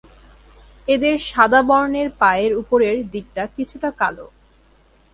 এদের সাদা বর্ণের পায়ের উপরের দিকটা কিছুটা কালো।